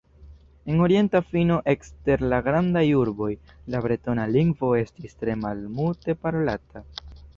En orienta fino, ekster la grandaj urboj, la bretona lingvo estis tre malmulte parolata.